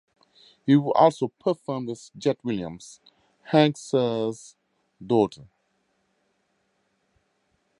He also performed with Jett Williams, Hank Sr.'s daughter.